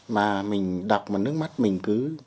mà mình đọc mà nước mắt mình cứ